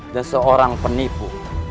dan seorang penipu